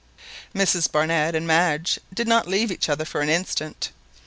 Mrs Barnett and Madge did not leave each other for an instant.